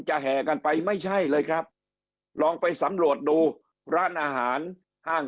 แห่กันไปไม่ใช่เลยครับลองไปสำรวจดูร้านอาหารห้าง